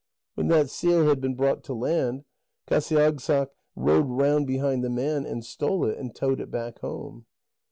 When that seal had been brought to land, Qasiagssaq rowed round behind the man, and stole it, and towed it back home.